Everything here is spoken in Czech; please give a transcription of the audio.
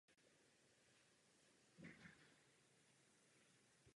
Protéká okresem Náchod v Královéhradeckém kraji.